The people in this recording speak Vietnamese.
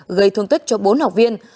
gây thương tích cho bốn học viên